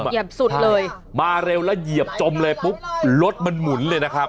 เหยียบสุดเลยมาเร็วแล้วเหยียบจมเลยปุ๊บรถมันหมุนเลยนะครับ